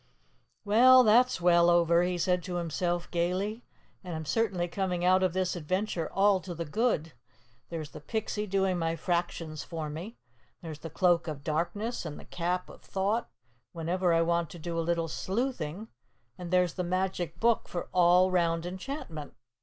"Well, that's well over," he said to himself gayly "And I'm certainly coming out of this adventure all to the good. There's the Pixie doing my fractions for me. There's the Cloak of Darkness and the Cap of Thought whenever I want to do a little sleuthing, and there's the Magic Book for all 'round enchantment.